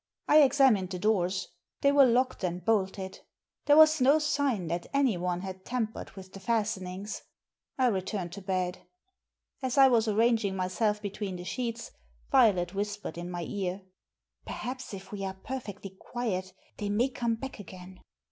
I examined the doors. They were locked and bolted. There was no sign that anyone had tampered with the fastenings. I returned to bed. As I was arranging myself between the sheets Violet whispered in my ear. " Perhaps if we are perfectly quiet they may come back again.